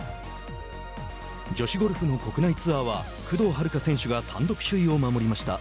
女子ゴルフの国内ツアーは工藤遥加選手が単独首位を守りました。